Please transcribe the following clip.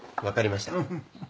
分かりました。